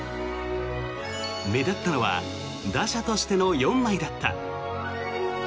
目立ったのは打者としての４枚だった。